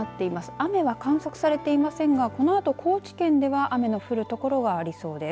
雨は観測されていませんがこのあと高知県では雨の降る所がありそうです。